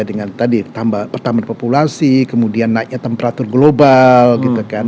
dengan tadi tambahan populasi kemudian naiknya temperatur global gitu kan